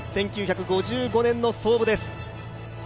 １９５５年の創部です。